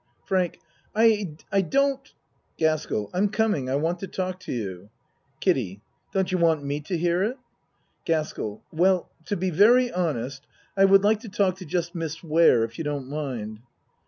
FRANK I don't GASKELL I'm coming. I want to talk to you. KIDDIE Don't you want me to hear it? GASKELL Well to be very honest, I would like to talk to just Miss Ware if you don't mind.